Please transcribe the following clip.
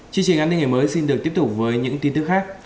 chương trình an ninh ngày mới xin được tiếp tục với những tin tức khác